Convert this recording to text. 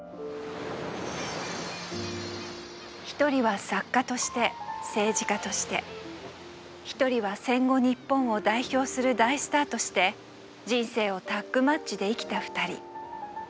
一人は作家として政治家として一人は戦後日本を代表する大スターとして人生をタッグマッチで生きた二人。